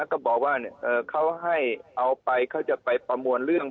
ก็บอกว่าเขาให้เอาไปเขาจะไปประมวลเรื่อง